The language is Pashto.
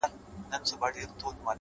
پرمختګ د پرلهپسې عمل پایله ده!.